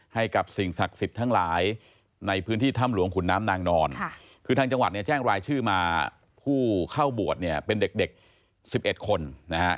ให้กับสิ่งศักดิ์สิทธิ์ทั้งหลายในพื้นที่ถ้ำหลวงขุนน้ำนางนอนคือทางจังหวัดเนี่ยแจ้งรายชื่อมาผู้เข้าบวชเนี่ยเป็นเด็ก๑๑คนนะฮะ